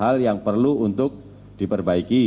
hal yang perlu untuk diperbaiki dan diperbaiki kemudian hari